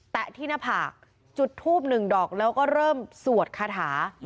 ที่หน้าผากจุดทูบหนึ่งดอกแล้วก็เริ่มสวดคาถา